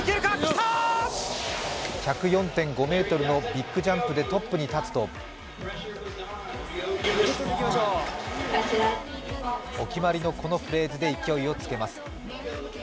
１０４．５ｍのビッグジャンプでトップに立つとお決まりのこのフレーズで勢いをつけます。